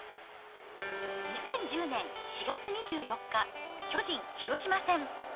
２０１０年４月２４日、巨人・広島戦。